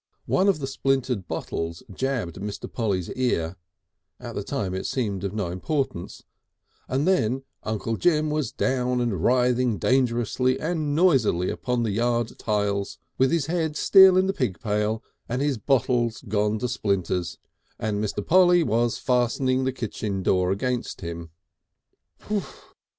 One of the splintered bottles jabbed Mr. Polly's ear at the time it seemed of no importance and then Uncle Jim was down and writhing dangerously and noisily upon the yard tiles, with his head still in the pig pail and his bottles gone to splinters, and Mr. Polly was fastening the kitchen door against him.